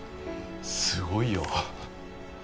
すごいよ！